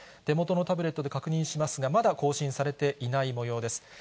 手元のタブレットで確認しますが、まだ更新されていないもようです。